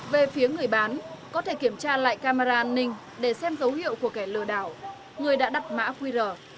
về phía người bán có thể kiểm tra lại camera an ninh để xem dấu hiệu của kẻ lừa đảo người đã đặt mã qr